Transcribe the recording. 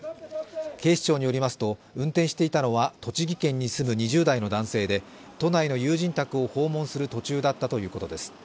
警視庁によりますと、運転していたのは栃木県に住む２０代の男性で都内の友人宅を訪問する途中だったということです。